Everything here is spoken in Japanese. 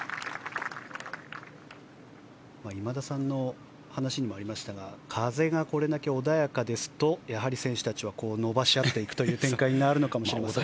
今田さんの話にもありましたが風がこれだけ穏やかですとやはり選手たちは伸ばし合っていくという展開になるのかもしれませんね。